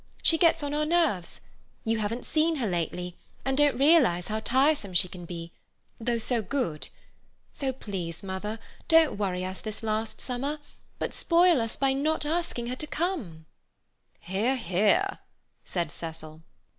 She gets on our nerves. You haven't seen her lately, and don't realize how tiresome she can be, though so good. So please, mother, don't worry us this last summer; but spoil us by not asking her to come." "Hear, hear!" said Cecil.